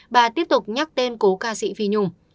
bà tiếp tục nhắc tên cố ca sĩ phi nhung